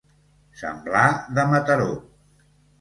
Semblar de Mataró.